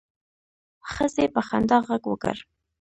ښځې په خندا غږ وکړ.